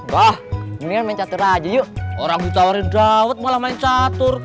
wah mendingan main catur aja yuk orang ditawarin dawet malah main catur